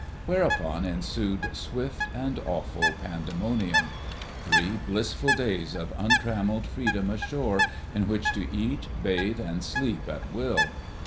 Whereupon ensued swift and awful pandemonium. Three blissful days of untrammelled freedom ashore, in which to eat, bathe, and sleep at will!